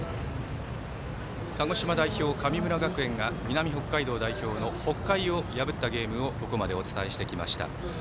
鹿児島代表、神村学園が南北海道代表の北海を破ったゲームをここまで、お伝えしてきました。